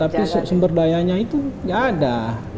tapi sumber dayanya itu nggak ada